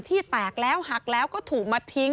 ที่แตกแล้วหักแล้วก็ถูกมาทิ้ง